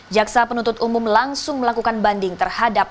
jaksa penuntut umum langsung melakukan banding terhadap